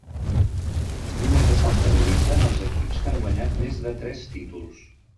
Només es comptabilitzen els equips que han guanyat més de tres títols.